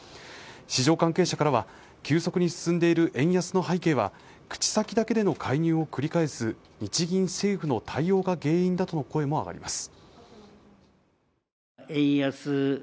市場関係者からは、急速に進んでいる円安の背景は口先だけで介入を繰り返す日銀・政府対応が原因だとの声も上がります。